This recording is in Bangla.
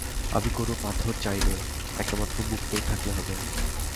আমি কোনো পাথর চাই নে, একটিমাত্র মুক্তো থাকলেই হবে।